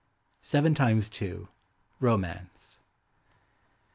SEVEN TIMES TWO. ROMANCE.